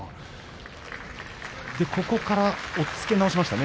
ここで押っつけ直しましたね。